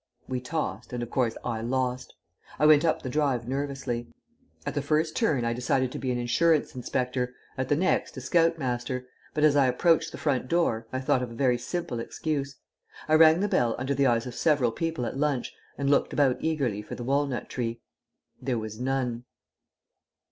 We tossed, and of course I lost. I went up the drive nervously. At the first turn I decided to be an insurance inspector, at the next a scout master, but, as I approached the front door, I thought of a very simple excuse. I rang the bell under the eyes of several people at lunch and looked about eagerly for the walnut tree. There was none.